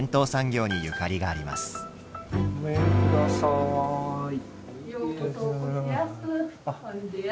ごめんください。